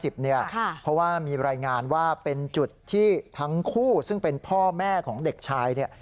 เพราะว่ามีรายงานว่าเป็นจุดที่ทั้งคู่ซึ่งเป็นพ่อแม่ของเด็กชายเนี่ย